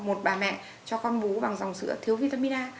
một bà mẹ cho con bú bằng dòng sữa thiếu vitamin a